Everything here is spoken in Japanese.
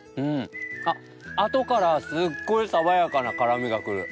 あっ後からすっごい爽やかな辛味が来る。